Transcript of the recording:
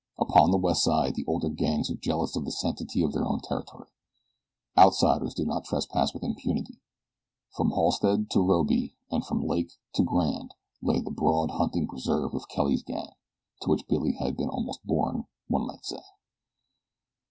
Upon the West Side the older gangs are jealous of the sanctity of their own territory. Outsiders do not trespass with impunity. From Halsted to Robey, and from Lake to Grand lay the broad hunting preserve of Kelly's gang, to which Billy had been almost born, one might say.